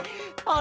あ。